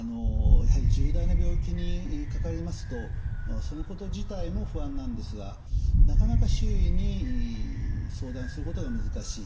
やはり重大な病気にかかりますとそのこと自体も不安なんですがなかなか周囲に相談することが難しい。